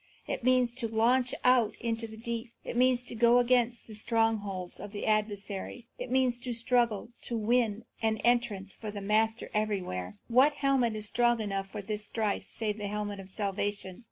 It means to launch out into the deep. It means to go against the strongholds of the adversary. It means to struggle to win an entrance for their Master everywhere. What helmet is strong enough for this strife save the helmet of salvation?